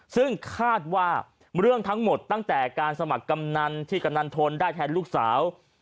ซึ่งคาดว่าเรื่องทั้งหมดตั้งแต่การสมัครกำนันที่กำนันทนได้แทนลูกสาว